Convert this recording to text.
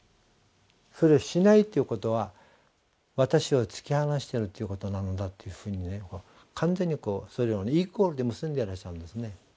それをしないということは私を突き放しているということなのだというふうに完全にそれをイコールで結んでいらっしゃるんですね。